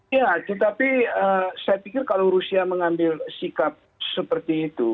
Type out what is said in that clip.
ya tetapi saya pikir kalau rusia mengambil sikap seperti itu